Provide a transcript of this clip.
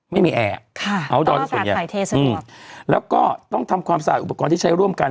ไม่มีแอบเอาตอนส่วนเย็นแล้วก็ต้องทำความสะอาดอุปกรณ์ที่ใช้ร่วมกัน